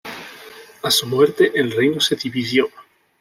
A su muerte el reino se dividió.